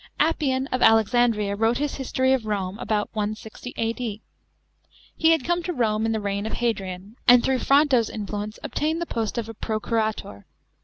§ 9. APPIAN of Alexandria wrote his History of Rome * about 160 A.D. He had come to Rome in the reign of Hadrian, and through Fronto's influence obtained the post of a procurator.